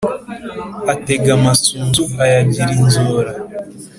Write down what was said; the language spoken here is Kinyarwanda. Atega amasunzu ayagira inzora